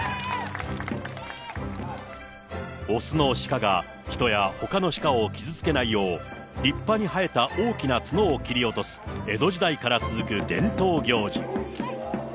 雄の鹿が人やほかの鹿を傷つけないよう、立派に生えた大きな角を切り落とす、江戸時代から続く伝統行事。